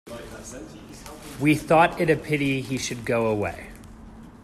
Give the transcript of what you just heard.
We thought it a pity he should go away.